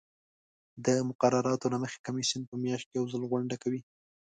د مقرراتو له مخې کمیسیون په میاشت کې یو ځل غونډه کوي.